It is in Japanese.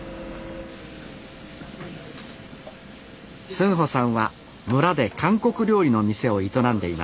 スンホさんは村で韓国料理の店を営んでいます。